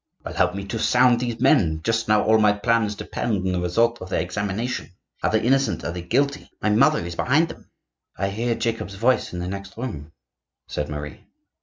"Well, help me to sound these men. Just now all my plans depend on the result of their examination. Are they innocent? Are they guilty? My mother is behind them." "I hear Jacob's voice in the next room," said Marie.